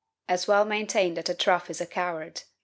As well maintain that a trough is a coward.